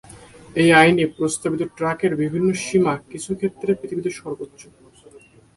এই আইনে প্রস্তাবিত ট্রাকের বিভিন্ন সীমা কিছু ক্ষেত্রে পৃথিবীতে সর্বোচ্চ।